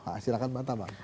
nah silahkan mbak tabang